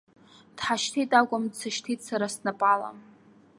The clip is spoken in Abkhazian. Дҳашьҭит акәым, дсышьҭит, сара снапала.